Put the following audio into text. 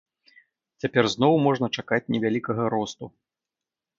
Цяпер зноў можна чакаць невялікага росту.